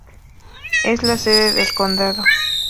Es la sede del condado.